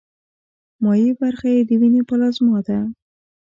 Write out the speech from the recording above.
مایع برخه یې د ویني پلازما ده.